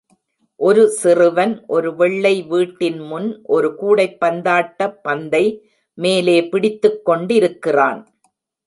ஒரு சிறுவன் ஒரு வெள்ளை வீட்டின் முன் ஒரு கூடைப்பந்தாட்ட பந்தை மேலே பிடித்துக்கொண்டிருக்கிறான்